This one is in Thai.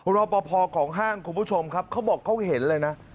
รอปภของห้างคุณผู้ชมครับเขาบอกเขาเห็นเลยนะ